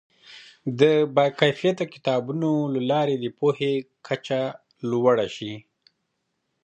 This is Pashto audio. د باکیفیته کتابونو له لارې د پوهې کچه لوړه شي.